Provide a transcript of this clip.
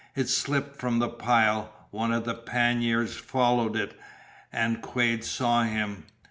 It slipped from the pile, one of the panniers followed it, and Quade saw him.